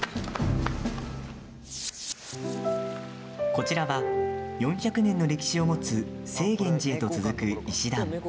こちらは、４００年の歴史を持つ青源寺へと続く石段。